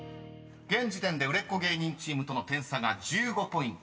［現時点で売れっ子芸人チームとの点差が１５ポイント］